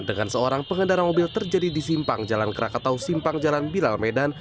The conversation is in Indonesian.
dengan seorang pengendara mobil terjadi di simpang jalan krakatau simpang jalan bilal medan